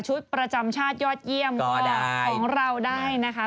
ประจำชาติยอดเยี่ยมของเราได้นะคะ